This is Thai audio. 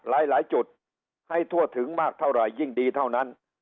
หลายจุดให้ทั่วถึงมากเท่าไหร่ยิ่งดีเท่านั้น